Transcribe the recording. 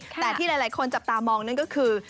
แต่ที่หลายคนจับตามองนั่นก็คือ